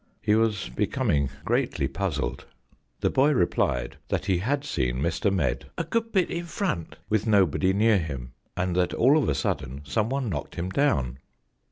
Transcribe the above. He was becoming gre&tly puzzled. The boy replied that he had seen Mr. Medd "a good bit in front," with nobody near him, and that all of a sudden someone knocked him down.